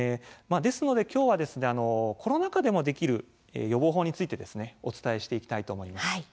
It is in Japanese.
ですのできょうはコロナ禍でもできる予防法についてお伝えしていきます。